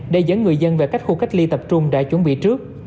để dẫn người dân về các khu cách ly tập trung đã chuẩn bị trước